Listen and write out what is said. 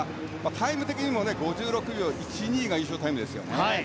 タイム的にも５６秒１２が優勝タイムですよね。